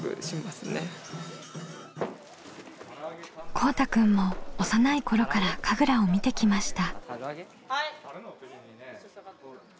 こうたくんも幼い頃から神楽を見てきました。